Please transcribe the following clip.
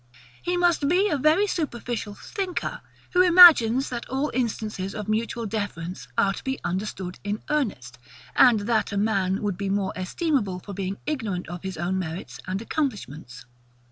He must be a very superficial thinker, who imagines that all instances of mutual deference are to be understood in earnest, and that a man would be more esteemable for being ignorant of his own merits and accomplishments.